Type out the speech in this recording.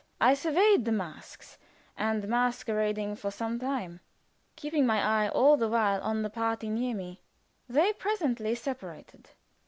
I surveyed the masks and masquerading for some time, keeping my eye all the while upon the party near me. They presently separated.